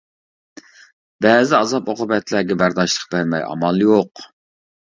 بەزى ئازاب-ئوقۇبەتلەرگە بەرداشلىق بەرمەي ئامال يوق.